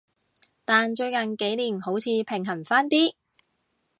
但最近幾年好似平衡返啲